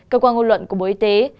cơ quan ngôn luận của bộ y tế